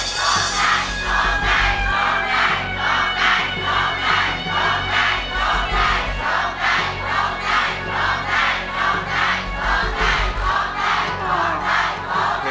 เพลงที่หนึ่งนะครับมูลค่า๑๐๐๐๐บาท